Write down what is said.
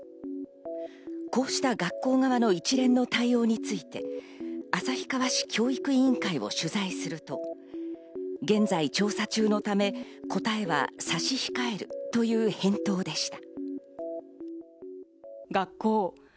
こうした学校側の一連の対応について、旭川市教育委員会を取材すると現在調査中のため、答えは差し控えるという返答でした。